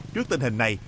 trước tình hình này